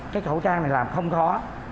cái khẩu trang này làm không khó